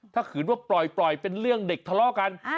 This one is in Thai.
ถ้าขืนว่าปล่อยเป็นเรื่องเด็กทะเลาะกัน